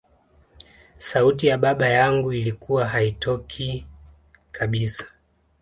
sauti ya baba yangu ilikuwa haitokii kabisa